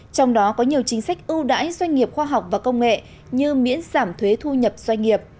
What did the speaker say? trong đó có nhiều chính sách ưu đãi doanh nghiệp khoa học và công nghệ như miễn giảm thuế thu nhập doanh nghiệp